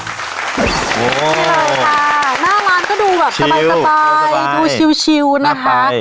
นี่เลยค่ะหน้าร้านก็ดูแบบสบายดูชิวนะคะ